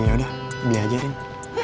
ya udah beli aja deh